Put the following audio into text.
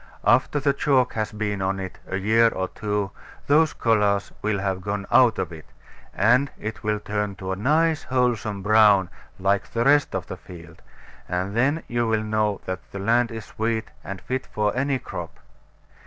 After the chalk has been on it a year or two, those colours will have all gone out of it; and it will turn to a nice wholesome brown, like the rest of the field; and then you will know that the land is sweet, and fit for any crop.